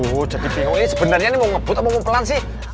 tuh jadi bingung ini sebenernya mau ngebut atau mau pelan sih